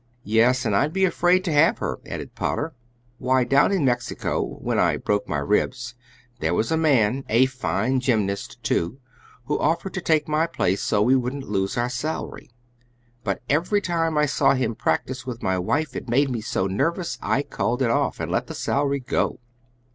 "Yes, and I'd be afraid to have her," added Potter. "Why, down in Mexico, when I broke my ribs, there was a man a fine gymnast, too who offered to take my place so we wouldn't lose our salary, but every time I saw him practice with my wife it made me so nervous I called it off and let the salary go."